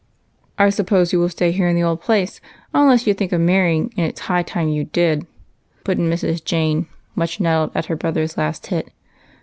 " I suppose you will stay here in the old place, unless you think of marrying, and it 's high time you did," put in Mrs. Jane, much nettled at her brother's last hit.